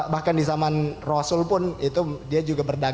bahkan di zaman rasul pun itu dia juga berdagang